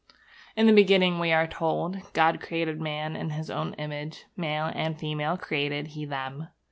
In the beginning, we are told, God created man in His own image, male and female created He them.